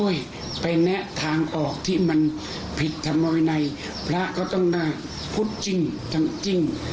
โอ้ยไปแนะทางออกที่มันผิดธรรมวินัยพระก็ต้องพูดจริงจริง